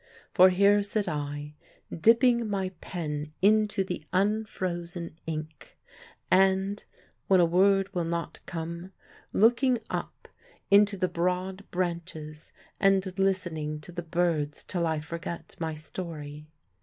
For here sit I, dipping my pen into the unfrozen ink, and, when a word will not come, looking up into the broad branches and listening to the birds till I forget my story.